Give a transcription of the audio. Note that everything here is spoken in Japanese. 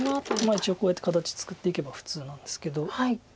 一応こうやって形作っていけば普通なんですけど。